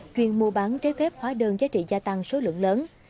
chuyên mua bán trái phép hóa đơn giá trị gia tăng số lượng lớn